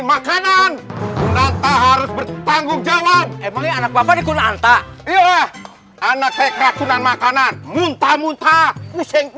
makanan kutov banyak sampah megmind bay bu